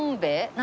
何？